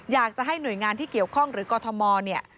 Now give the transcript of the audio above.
อยากจะให้หน่วยงานที่เกี่ยวข้องหรือกรทมเนี่ย